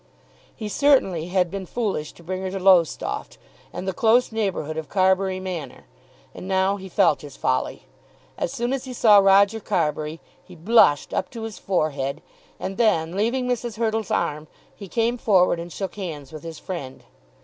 He certainly had been foolish to bring her to Lowestoft, and the close neighbourhood of Carbury Manor; and now he felt his folly. As soon as he saw Roger Carbury he blushed up to his forehead, and then leaving Mrs. Hurtle's arm he came forward, and shook hands with his friend.